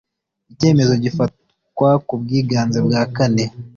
icyemezo gifatwa ku bwiganze bwa kane